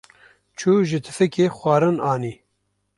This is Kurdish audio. Çû ji tifikê xwarin anî.